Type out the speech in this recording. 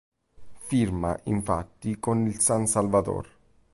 Firma, infatti, con il San Salvador.